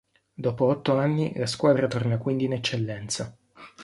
Dopo otto anni la squadra torna quindi in Eccellenza.